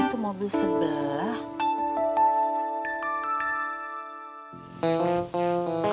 itu mobil sebelah